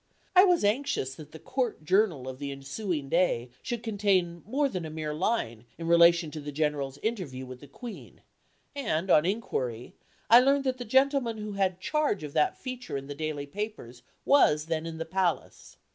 I was anxious that the "Court Journal" of the ensuing day should contain more than a mere line in relation to the General's interview with the Queen, and, on inquiry, I learned that the gentleman who had charge of that feature in the daily papers was then in the Palace.